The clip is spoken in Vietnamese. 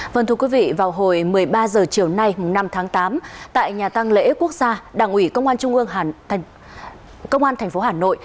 vâng thưa quý vị vào hồi một mươi ba h chiều nay năm tháng tám tại nhà tăng lễ quốc gia đảng ủy công an thành phố hà nội